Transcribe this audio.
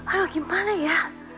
aduh gimana ya